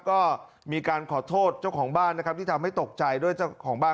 ก็มีการขอโทษเจ้าของบ้านนะครับที่ทำให้ตกใจด้วยเจ้าของบ้าน